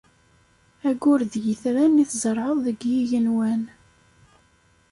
Ayyur d yitran i tzerɛeḍ deg yigenwan.